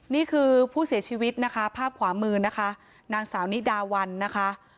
นี่คือผู้เสียชีวิตนะคะภาพขวามือนะคะนางสาวนิดาวันนะคะ